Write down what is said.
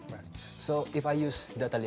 jadi jika saya menggunakan aplikasi datally